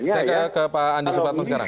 saya ke pak andi supratman sekarang